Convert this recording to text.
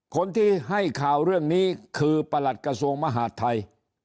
คนที่ให้ข่าวเรื่องนี้คือประหลัดกระทรวงมหาดไทย